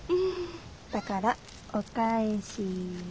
だからお返しに。